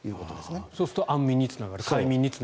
そうすると快眠につながると。